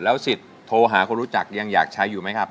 สิทธิ์โทรหาคนรู้จักยังอยากใช้อยู่ไหมครับ